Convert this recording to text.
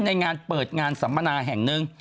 ในงานเปิดงานสัมมนาแห่งหนึ่ง